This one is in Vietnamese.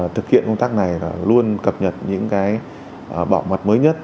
thực hiện công tác này là luôn cập nhật những cái bảo mật mới nhất